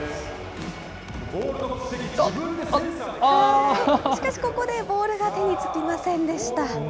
あっ、しかし、ここでボールが手につきませんでした。